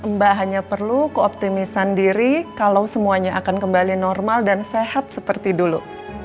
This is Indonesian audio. mbak hanya perlu keoptimisan diri kalau semuanya akan kembali normal dan sehat seperti dulu